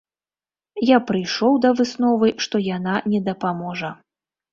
Я прыйшоў да высновы, што яна не дапаможа.